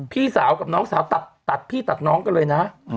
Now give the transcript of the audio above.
พี่สาวกับน้องสาวตัดพี่ตัดน้องกันเลยนะ